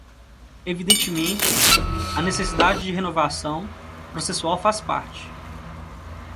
Evidentemente, a necessidade de renovação processual faz parte